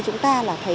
chúng ta là thấy